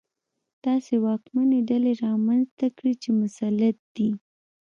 داسې واکمنې ډلې رامنځته کړي چې مسلط دي.